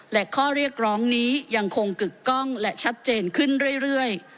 และข้อเรียกร้องนี้ยังคงกึกกล้องและชัดเจนขึ้นเรื่อย